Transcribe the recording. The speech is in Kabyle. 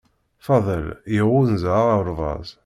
Faḍel yeɣɣunza aɣerbaz